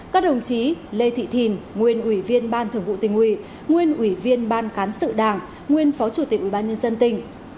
các đồng chí lê thị thìn nguyên ủy viên ban thường vụ tình ủy nguyên ủy viên ban cán sự đảng nguyên phó chủ tịch ubnd tỉnh